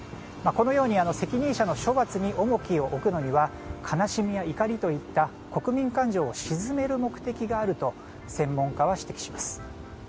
このように責任者の処罰に重きを置くのには悲しみや怒りといった国民感情を鎮める目的があると専門家は指摘します。